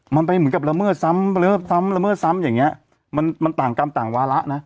มันไปเหมือนกับละเมิดซ้ำเลิฟซ้ำละเมิดซ้ำอย่างเงี้ยมันมันต่างกรรมต่างวาระนะ